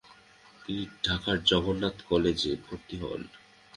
তিনি ঢাকার জগন্নাথ কলেজে ভর্তি হন ।